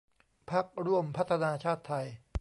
พรรคร่วมพัฒนาชาติไทย